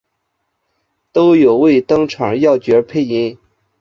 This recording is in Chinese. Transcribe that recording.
都有为登场要角配音。